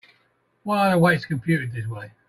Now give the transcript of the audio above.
Why are the weights computed this way?